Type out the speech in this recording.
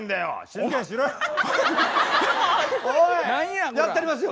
やったりますよ。